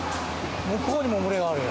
向こうにも群れがある。